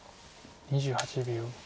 ２８秒。